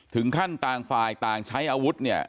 ต่างฝ่ายต่างใช้อาวุธเนี่ย